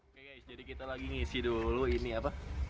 oke guys jadi kita lagi ngisi dulu ini apa